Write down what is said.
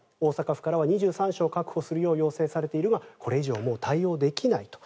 大阪府からは２３床確保するよう言われているがこれ以上対応できないと。